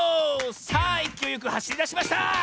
さあいきおいよくはしりだしました！